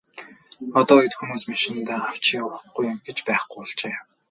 Одоо үед хүмүүс машиндаа авч явахгүй юм гэж байхгүй болжээ.